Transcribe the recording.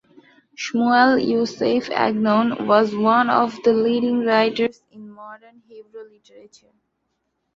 Shmuel Yosef Agnon was one of the leading writers in modern Hebrew literature.